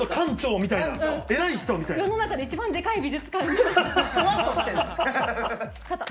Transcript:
世の中で一番でかい美術館の。